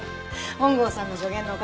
本郷さんの助言のおかげ。